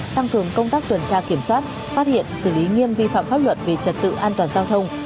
tăng cường công tác tuần tra kiểm soát phát hiện xử lý nghiêm vi phạm pháp luật về trật tự an toàn giao thông